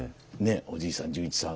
おじいさん潤一さん